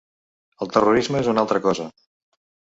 El terrorisme és una altra cosa.